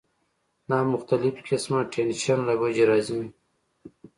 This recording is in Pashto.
دا د مختلف قسمه ټېنشن له وجې راځی